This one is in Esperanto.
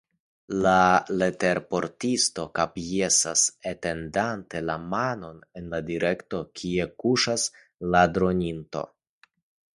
La leterportisto kapjesas, etendante la manon en la direkto, kie kuŝas la droninto.